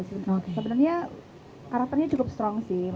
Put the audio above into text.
sebenarnya harapannya cukup strong sih